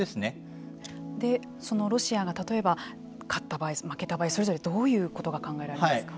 ロシアが例えば勝った場合負けた場合それぞれどういうことが考えられますか。